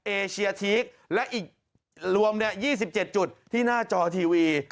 เอเชียทีกและอีกรวม๒๗จุดที่หน้าจอทีวี